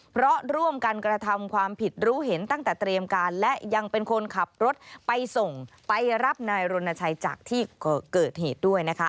เพราะร่วมกันกระทำความผิดรู้เห็นตั้งแต่เตรียมการและยังเป็นคนขับรถไปส่งไปรับนายรณชัยจากที่เกิดเหตุด้วยนะคะ